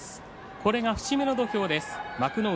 これが節目の土俵幕内